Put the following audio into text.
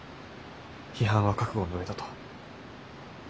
批判は覚悟の上だと。